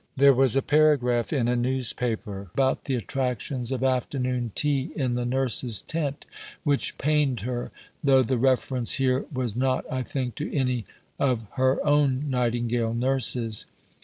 There was a paragraph in a newspaper about the attractions of "afternoon tea in the nurses' tent" which pained her (though the reference here was not, I think, to any of her own Nightingale nurses).